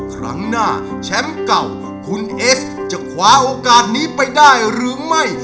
ครั้งหน้าแชมป์เก่าคุณเอสจะคว้าโอกาสนี้ไปได้หรือไม่